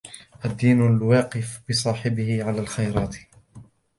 الدِّينُ الْوَاقِفُ بِصَاحِبِهِ عَلَى الْخَيْرَاتِ